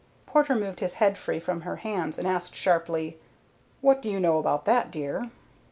Porter moved his head free from her hands and asked sharply, "What do you know about that, dear?"